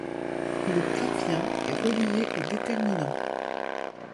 Le pfaffien est relié au déterminant.